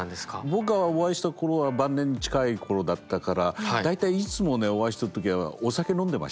僕がお会いした頃は晩年に近い頃だったから大体いつもお会いした時はお酒飲んでましたね。